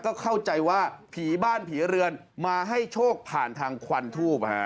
ก็เข้าใจว่าผีบ้านผีเรือนมาให้โชคผ่านทางควันทูบ